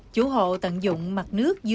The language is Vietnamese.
chủ hộ tận dụng mặt nước